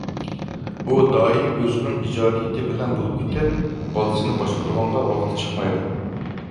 ئۇ دائىم ئۆزىنىڭ ئىجادىيىتى بىلەن بولۇپ كېتىپ بالىسىنى باشقۇرىدىغانغا ۋاقتى چىقمايدۇ.